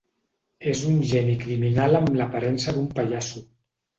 És un geni criminal amb l'aparença d'un pallasso.